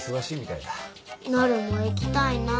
なるも行きたいなあ